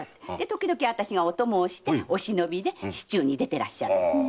それで時々私がお供をしてお忍びで市中に出てらっしゃる。